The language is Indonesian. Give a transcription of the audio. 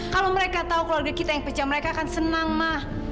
kalau mereka tahu keluarga kita yang pecah mereka akan senang mah